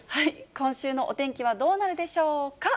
今週のお天気はどうなるでしょうか。